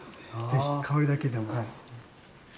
ぜひ香りだけでも。